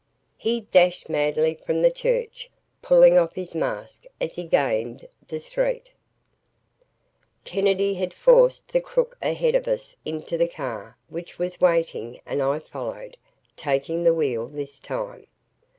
He dashed madly from the church, pulling off his mask as he gained the street. ........ Kennedy had forced the crook ahead of us into the car which was waiting and I followed, taking the wheel this time.